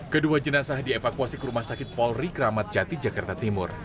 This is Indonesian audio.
kedua jenazah dievakuasi ke rumah sakit polri kramat jati jakarta timur